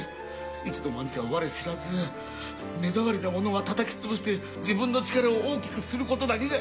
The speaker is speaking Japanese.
いつの間にか我知らず目障りなものはたたき潰して自分の力を大きくする事だけが生きる目的に。